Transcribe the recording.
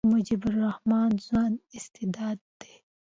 مجيب الرحمن ځوان استعداد دئ.